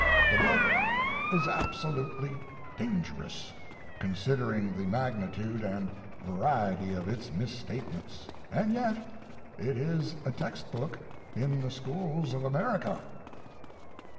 The book is absolutely dan gerous, considering the magnitude and variety of its misstatements. And yet it is a text book in the schools of America!